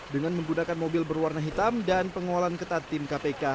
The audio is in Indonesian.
dengan menggunakan mobil berwarna hitam dan pengolahan ketat tim kpk